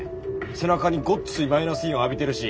背中にごっついマイナスイオン浴びてるし。